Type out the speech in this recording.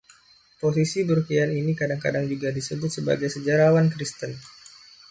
Posisi Burkean ini kadang-kadang juga disebut sebagai Sejarawan Kristen.